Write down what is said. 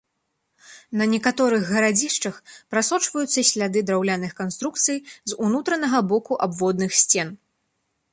На некаторых гарадзішчах прасочваюцца сляды драўляных канструкцый з унутранага боку абводных сцен.